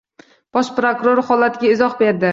Bosh prokuror holatga izoh berdi